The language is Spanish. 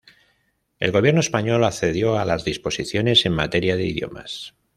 El gobierno español accedió a las disposiciones en materia de idiomas.